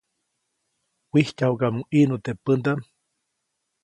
Wijtyajuʼkamuŋ ʼiʼnu teʼ pändaʼm.